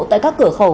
tại các cửa khẩu